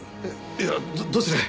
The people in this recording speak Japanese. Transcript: いやどどちらへ？